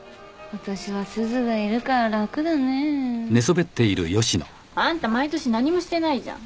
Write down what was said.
ことしはすずがいるから楽だね。あんた毎年何もしてないじゃん。